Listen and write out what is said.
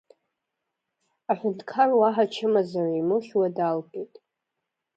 Аҳәынҭқар уаҳа чымазара имыхьуа далгеит.